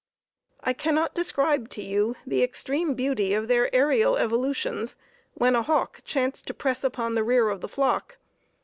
I cannot describe to you the extreme beauty of their aërial evolutions, when a hawk chanced to press upon the rear of the flock.